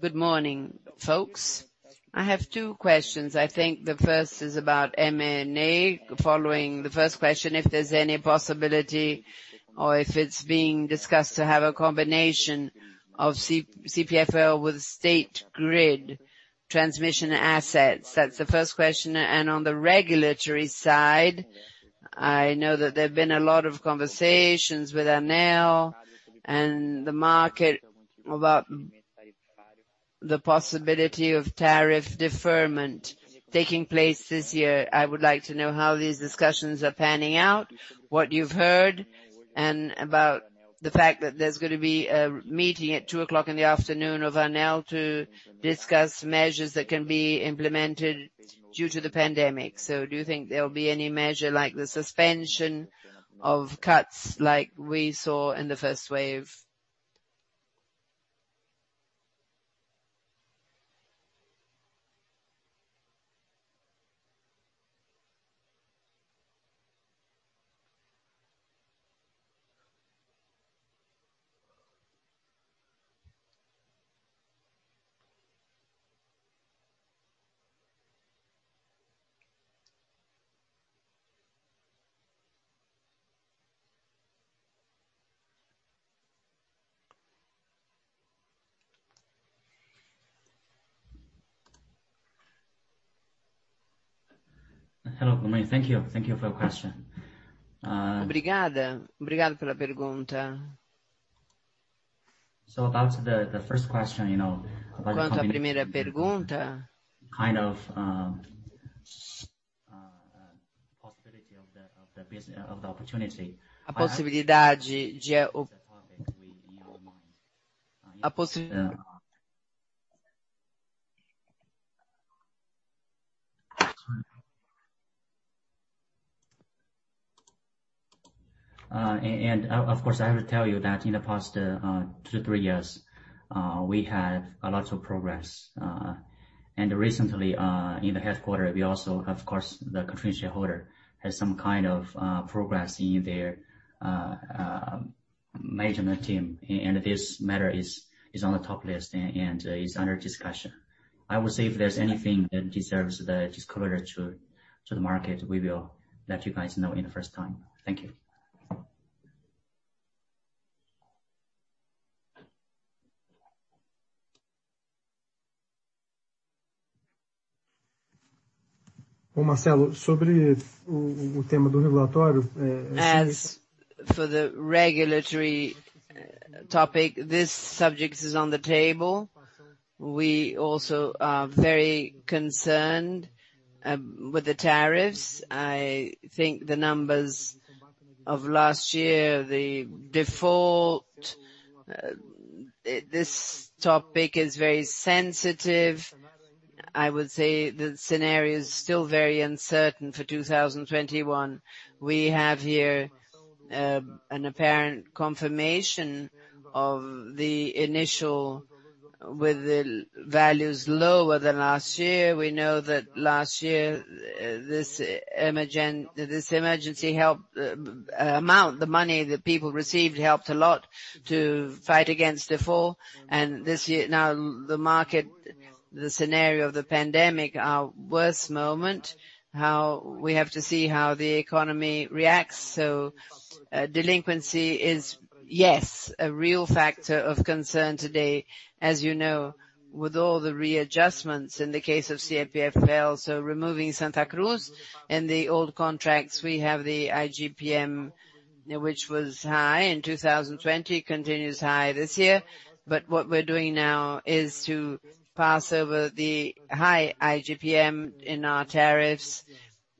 Good morning, folks. I have two questions. I think the first is about M&A. Following the first question, if there's any possibility or if it's being discussed to have a combination of CPFL with State Grid transmission assets? That's the first question. On the regulatory side, I know that there have been a lot of conversations with ANEEL and the market about the possibility of tariff deferment taking place this year. I would like to know how these discussions are panning out, what you've heard, and about the fact that there's going to be a meeting at 2:00 P.M. of ANEEL to discuss measures that can be implemented due to the pandemic. Do you think there'll be any measure like the suspension of cuts like we saw in the first wave? Hello. Good morning. Thank you for your question. About the first question, you know, about the company. Kind of possibility of the opportunity. Of course, I have to tell you that in the past two to three years, we have a lot of progress. Recently, in the headquarter, we also, of course, the controlling shareholder has some kind of progress in their management team, and this matter is on the top list and is under discussion. I will see if there's anything that deserves the disclosure to the market. We will let you guys know in the first time. Thank you. For the regulatory topic, this subject is on the table. We also are very concerned with the tariffs. I think the numbers of last year, the default, this topic is very sensitive. I would say the scenario is still very uncertain for 2021. We have here an apparent confirmation of the initial, with the values lower than last year. We know that last year, this emergency amount, the money that people received helped a lot to fight against default. This year now, the market, the scenario of the pandemic, our worst moment, we have to see how the economy reacts. Delinquency is, yes, a real factor of concern today. As you know, with all the readjustments in the case of CPFL, so removing Santa Cruz and the old contracts, we have the IGPM, which was high in 2020, continues high this year. What we're doing now is to pass over the high IGPM in our tariffs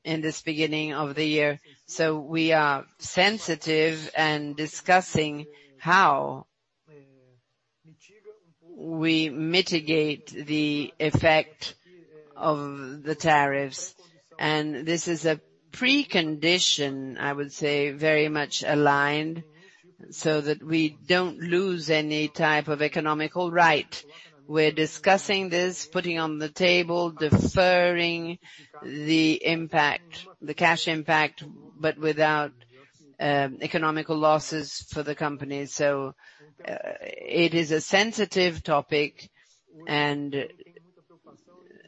in this beginning of the year. We are sensitive and discussing how we mitigate the effect of the tariffs. This is a precondition, I would say, very much aligned so that we don't lose any type of economical right. We're discussing this, putting on the table, deferring the cash impact, but without economical losses for the company. It is a sensitive topic, and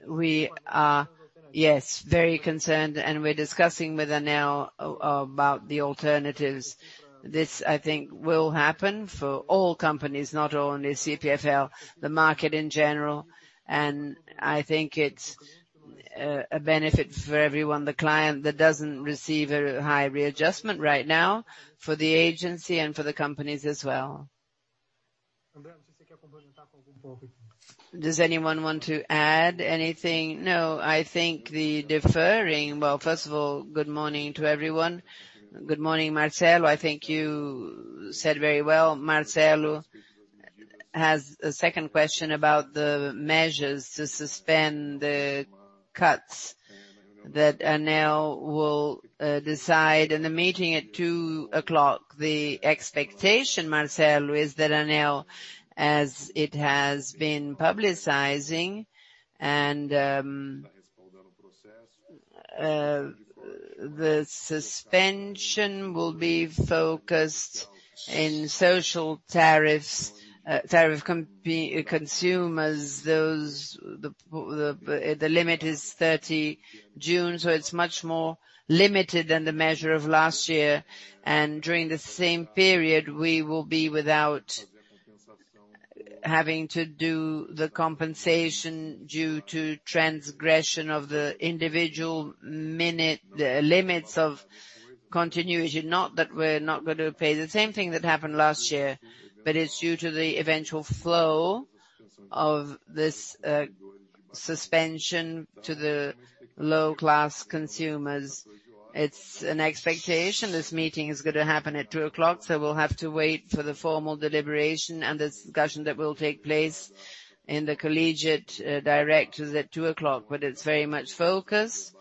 we are, yes, very concerned, and we're discussing with ANEEL about the alternatives. This, I think will happen for all companies, not only CPFL, the market in general, I think it's a benefit for everyone, the client that doesn't receive a high readjustment right now, for the agency and for the companies as well. Does anyone want to add anything? No, I think. Well, first of all, good morning to everyone. Good morning, Marcelo. I think you said very well. Marcelo has a second question about the measures to suspend the cuts that ANEEL will decide in the meeting at 2:00 P.M. The expectation, Marcelo, is that ANEEL, as it has been publicizing. The suspension will be focused in social tariffs consumers. The limit is 30 June. It's much more limited than the measure of last year. During the same period, we will be without having to do the compensation due to transgression of the individual minute limits of continuity. Not that we're not going to pay. The same thing that happened last year. It's due to the eventual flow of this suspension to the low-class consumers. It's an expectation. This meeting is going to happen at 2:00 P.M., we'll have to wait for the formal deliberation and the discussion that will take place in the collegiate directors at 2:00 P.M. It's very much focused,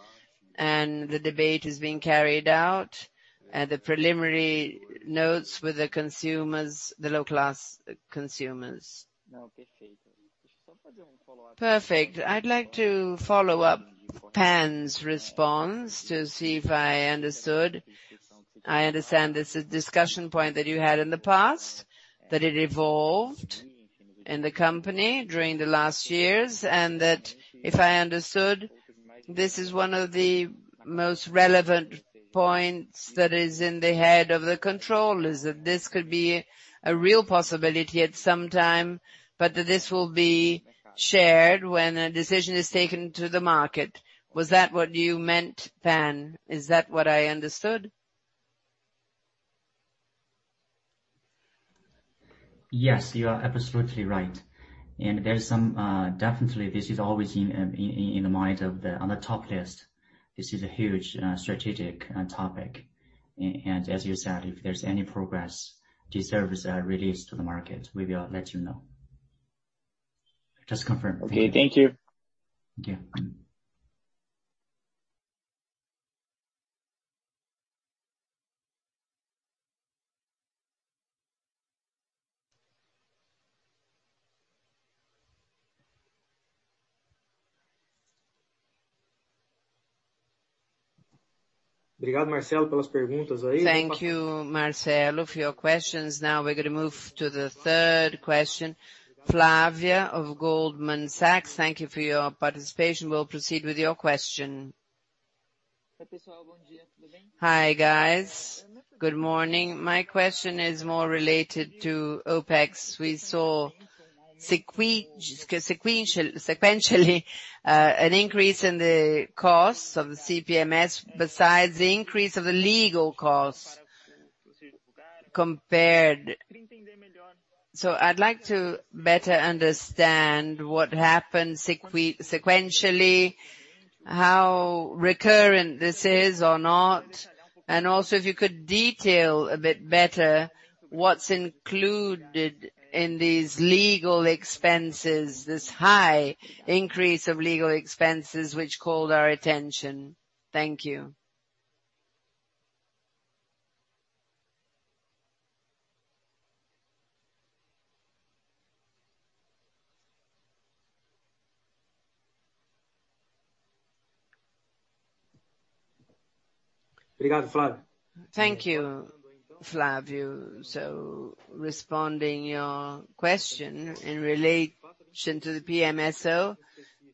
and the debate is being carried out. The preliminary notes with the low-class consumers. Perfect. I'd like to follow up Pan's response to see if I understood. I understand this is a discussion point that you had in the past, that it evolved in the company during the last years, and that if I understood, this is one of the most relevant points that is in the head of the controllers, that this could be a real possibility at some time, this will be shared when a decision is taken to the market. Was that what you meant, Pan? Is that what I understood? Yes, you are absolutely right. Definitely this is always on the top list. This is a huge strategic topic. As you said, if there's any progress, these services are released to the market. We will let you know. Just confirm. Okay. Thank you. Thank you. Thank you, Marcelo, for your questions. We're going to move to the third question. Flavia of Goldman Sachs, thank you for your participation. We'll proceed with your question. Hi, guys. Good morning. My question is more related to OpEx. We saw sequentially, an increase in the costs of the PMSO besides the increase of the legal costs compared. I'd like to better understand what happened sequentially, how recurrent this is or not, and also if you could detail a bit better what's included in these legal expenses, this high increase of legal expenses which called our attention. Thank you. Thank you, Flavia. Responding your question in relation to the PMSO,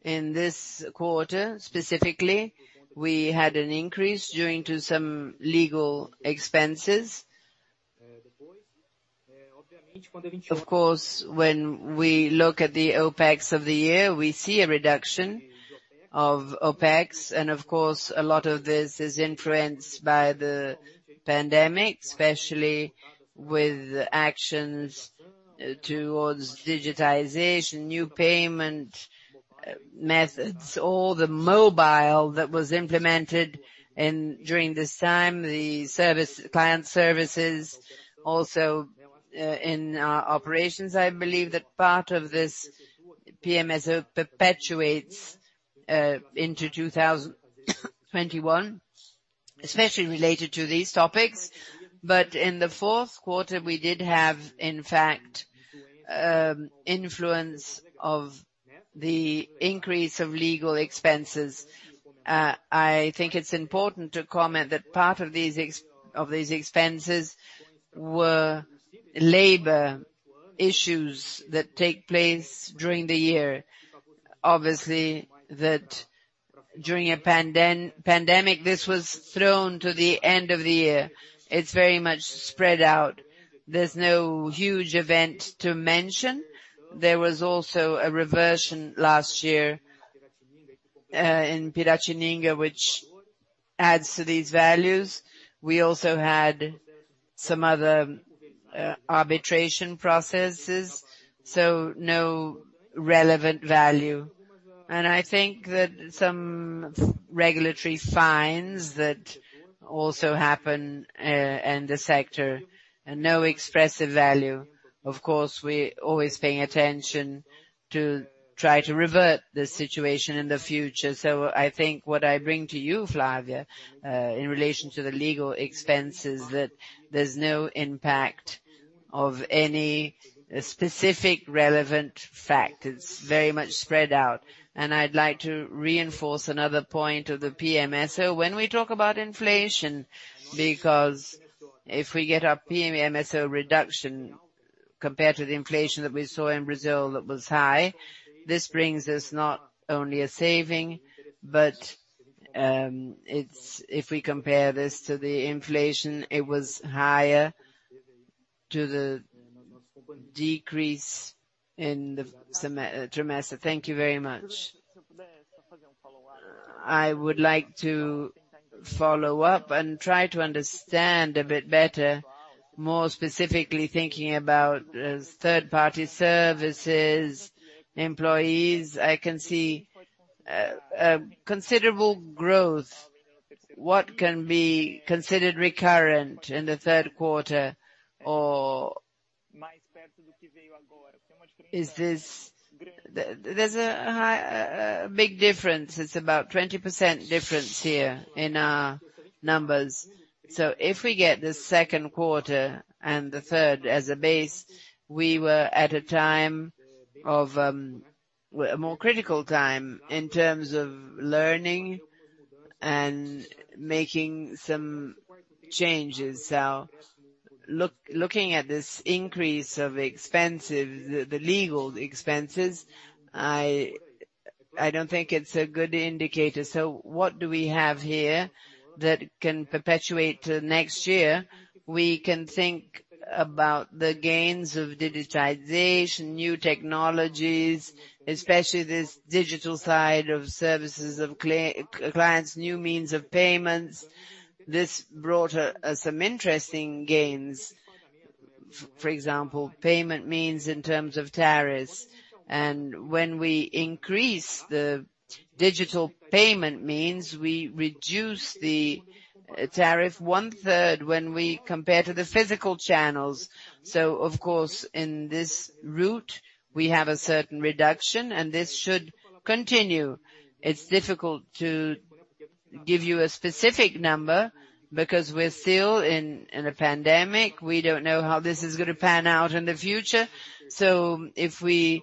in this quarter specifically, we had an increase due to some legal expenses. Of course, when we look at the OpEx of the year, we see a reduction of OpEx, and of course, a lot of this is influenced by the pandemic, especially with actions towards digitization, new payment methods, all the mobile that was implemented during this time, the client services also in our operations. I believe that part of this PMSO perpetuates into 2021, especially related to these topics. In the fourth quarter, we did have, in fact, influence of the increase of legal expenses. I think it's important to comment that part of these expenses were labor issues that take place during the year. Obviously, that during a pandemic, this was thrown to the end of the year. It's very much spread out. There's no huge event to mention. There was also a reversion last year in Piratininga, which adds to these values. We also had some other arbitration processes, so no relevant value. I think that some regulatory fines that also happen in the sector and no expressive value. Of course, we're always paying attention to try to revert this situation in the future. I think what I bring to you, Flavia, in relation to the legal expense is that there's no impact of any specific relevant fact. It's very much spread out. I'd like to reinforce another point of the PMSO. When we talk about inflation, because if we get our PMSO reduction compared to the inflation that we saw in Brazil that was high, this brings us not only a saving, but if we compare this to the inflation, it was higher to the decrease in the trimester. Thank you very much. I would like to follow up and try to understand a bit better, more specifically thinking about third-party services, employees, I can see a considerable growth. What can be considered recurrent in the third quarter? There's a big difference. It's about 20% difference here in our numbers. If we get the second quarter and the third as a base, we were at a more critical time in terms of learning and making some changes. Looking at this increase of the legal expenses, I don't think it's a good indicator. What do we have here that can perpetuate to next year? We can think about the gains of digitization, new technologies, especially this digital side of services of clients, new means of payments. This brought some interesting gains. For example, payment means in terms of tariffs. When we increase the digital payment means, we reduce the tariff one third when we compare to the physical channels. Of course, in this route, we have a certain reduction and this should continue. It's difficult to give you a specific number because we're still in a pandemic. We don't know how this is going to pan out in the future. If we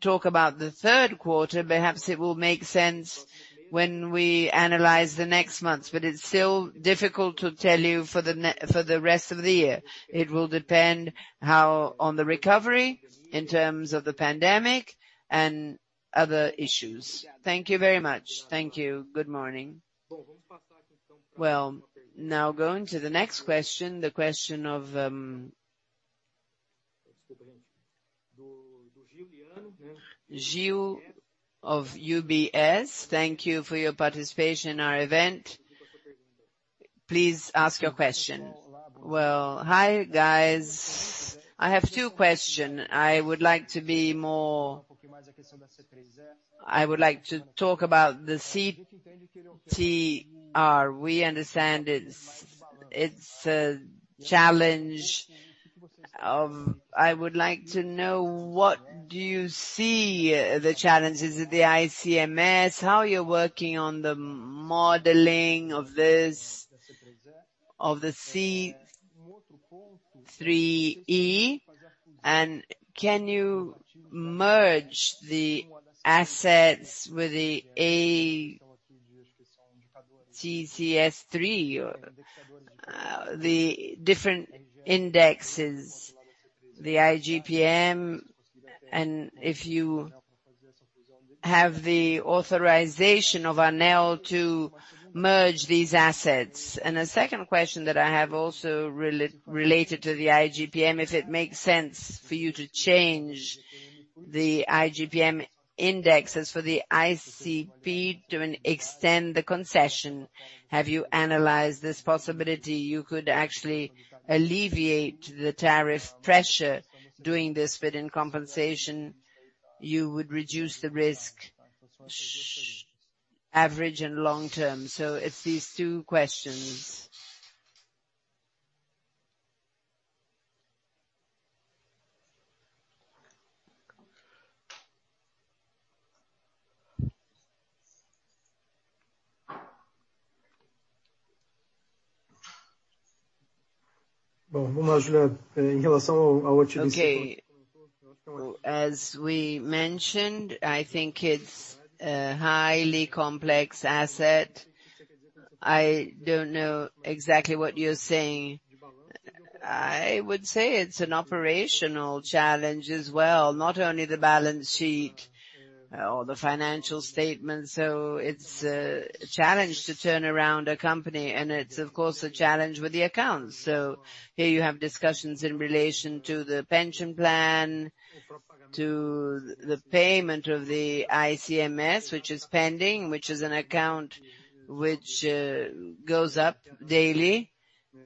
talk about the third quarter, perhaps it will make sense when we analyze the next months. It's still difficult to tell you for the rest of the year. It will depend how on the recovery in terms of the pandemic and other issues. Thank you very much. Thank you. Good morning. Well, now going to the next question, the question of Giuliano of UBS. Thank you for your participation in our event. Please ask your question. Well, hi guys. I have two question. I would like to talk about the CTR. We understand it's a challenge. I would like to know what do you see the challenges of the ICMS, how you're working on the modeling of the GCE, can you merge the assets with the ATSC 3.0, the different indexes, the IGPM, and if you have the authorization of ANEEL to merge these assets. A second question that I have also related to the IGPM, if it makes sense for you to change the IGPM indexes for the IPCA to extend the concession. Have you analyzed this possibility? You could actually alleviate the tariff pressure doing this, but in compensation, you would reduce the risk, average and long term. It's these two questions. Okay. As we mentioned, I think it's a highly complex asset. I don't know exactly what you're saying. I would say it's an operational challenge as well, not only the balance sheet or the financial statement. It's a challenge to turn around a company, and it's of course, a challenge with the accounts. Here you have discussions in relation to the pension plan, to the payment of the ICMS, which is pending, which is an account which goes up daily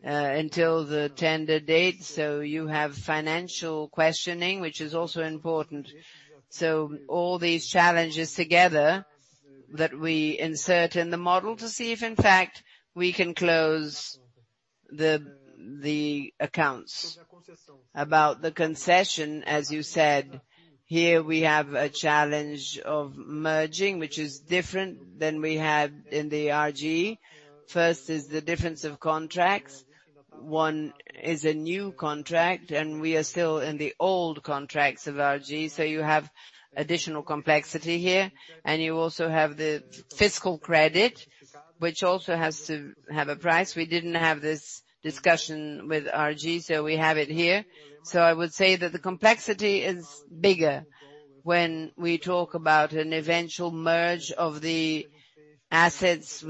until the tender date. You have financial questioning, which is also important. All these challenges together that we insert in the model to see if in fact we can close the accounts. About the concession, as you said, here we have a challenge of merging, which is different than we had in the RG. First is the difference of contracts. One is a new contract, and we are still in the old contracts of RG. You have additional complexity here, and you also have the fiscal credit, which also has to have a price. We didn't have this discussion with RGE, we have it here. I would say that the complexity is bigger when we talk about an eventual merge of the assets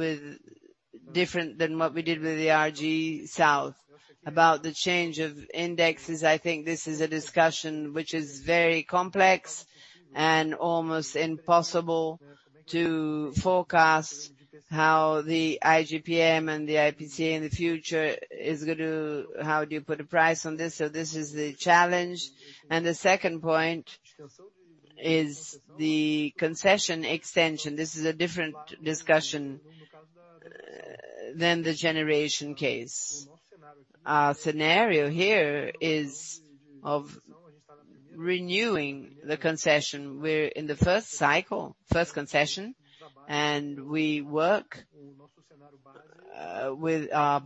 different than what we did with the RGE Sul. About the change of indexes, I think this is a discussion which is very complex and almost impossible to forecast how the IGP-M and the IPCA in the future, how do you put a price on this? This is the challenge. The second point is the concession extension. This is a different discussion than the generation case. Our scenario here is of renewing the concession. We're in the first cycle, first concession. We work with our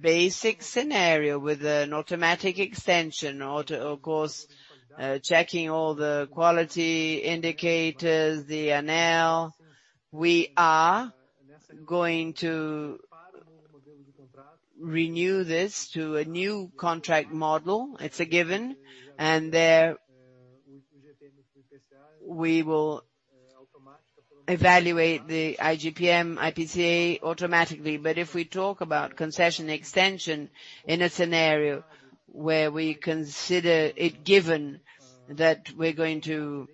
basic scenario, with an automatic extension, of course, checking all the quality indicators, the NL. We are going to renew this to a new contract model. It's a given. There, we will evaluate the IGPM, IPCA automatically. If we talk about concession extension in a scenario where we consider it given that we're going to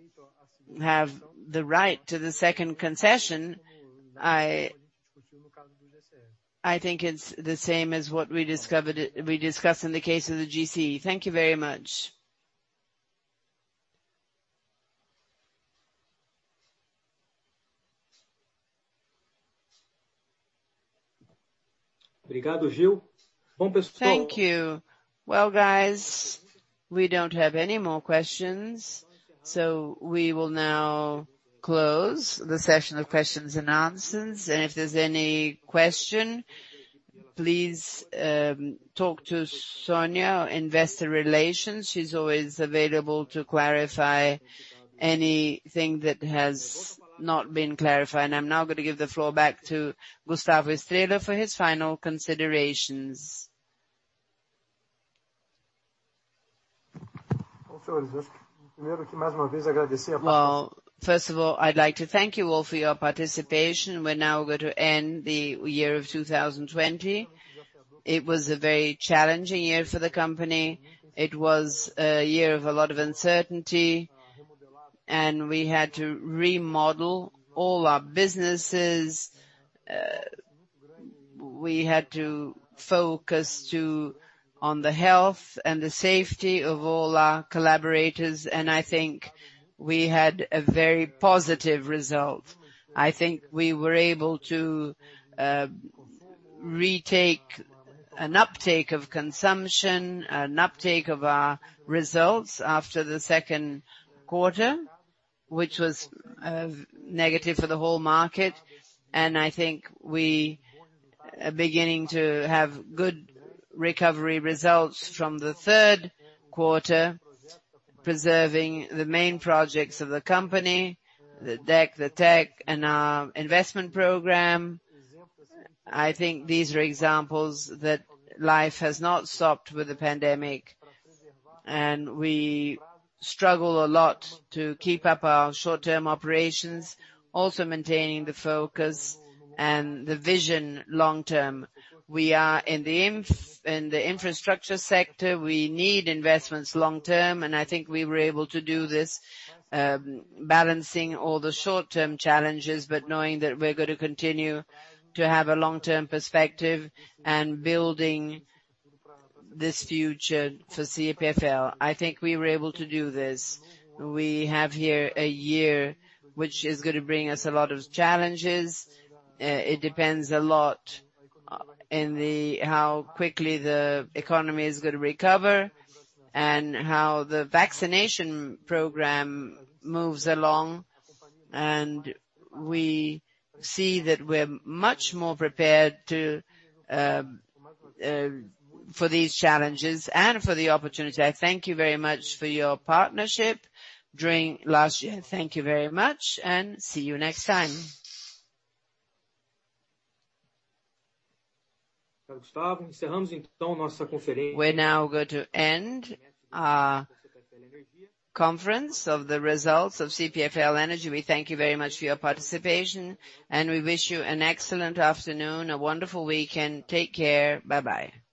have the right to the second concession, I think it's the same as what we discussed in the case of the GCE. Thank you very much. Thank you. Well, guys, we don't have any more questions. We will now close the session of questions and answers. If there's any question, please talk to Sonia, our investor relations. She's always available to clarify anything that has not been clarified. I'm now going to give the floor back to Gustavo Estrella for his final considerations. Well, first of all, I'd like to thank you all for your participation. We're now going to end the year of 2020. It was a very challenging year for the company. It was a year of a lot of uncertainty, and we had to remodel all our businesses. We had to focus on the health and the safety of all our collaborators, and I think we had a very positive result. I think we were able to retake an uptake of consumption, an uptake of our results after the second quarter, which was negative for the whole market. I think we are beginning to have good recovery results from the third quarter, preserving the main projects of the company, the deck, the tech, and our investment program. I think these are examples that life has not stopped with the pandemic. We struggle a lot to keep up our short-term operations, also maintaining the focus and the vision long-term. We are in the infrastructure sector. We need investments long-term, and I think we were able to do this, balancing all the short-term challenges, but knowing that we're going to continue to have a long-term perspective and building this future for CPFL. I think we were able to do this. We have here a year which is going to bring us a lot of challenges. It depends a lot in how quickly the economy is going to recover and how the vaccination program moves along. We see that we're much more prepared for these challenges and for the opportunity. I thank you very much for your partnership during last year. Thank you very much and see you next time. We're now going to end our conference of the results of CPFL Energia. We thank you very much for your participation, and we wish you an excellent afternoon, a wonderful weekend. Take care. Bye-bye.